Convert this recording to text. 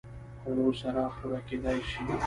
خوړو سره پوره کېدای شي